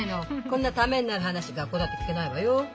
こんなためになる話学校だって聞けないわよ。